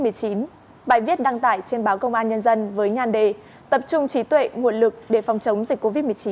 bài viết đăng tải trên facebook